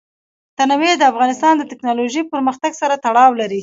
تنوع د افغانستان د تکنالوژۍ پرمختګ سره تړاو لري.